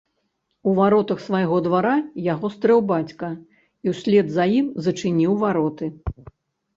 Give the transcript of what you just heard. У варотах свайго двара яго стрэў бацька і ўслед за ім зачыніў вароты.